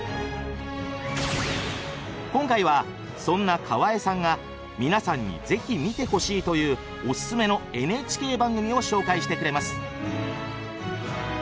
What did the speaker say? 今回はそんな河江さんが「皆さんにぜひ見てほしい！」というオススメのＮＨＫ番組を紹介してくれます。